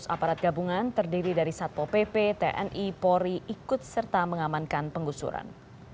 enam ratus aparat gabungan terdiri dari satpo pp tni pori ikut serta mengamankan pengusuran